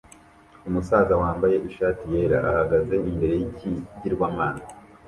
Umusaza wambaye ishati yera ahagaze imbere yikigirwamana